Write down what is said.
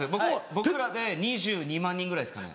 僕らで２２万人ぐらいですかね。